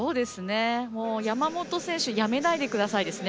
山本選手やめないでくださいですね。